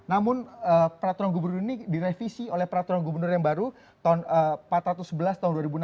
namun peraturan gubernur ini direvisi oleh peraturan gubernur yang baru tahun empat ratus sebelas tahun dua ribu enam belas